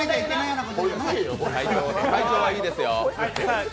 体調がいいですよ。